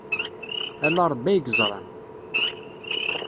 Ala Ṛebbi ay yeẓran.